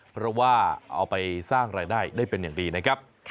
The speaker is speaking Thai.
เพราะว่าเอาไปสร้างรายได้ได้เป็นอย่างดีนะครับ